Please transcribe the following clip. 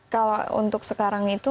kalau untuk sekarang itu